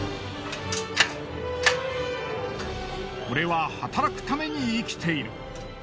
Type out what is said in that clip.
俺は働くために生きている。